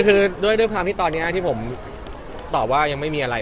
คือด้วยความที่ตอนนี้ที่ผมตอบว่ายังไม่มีอะไร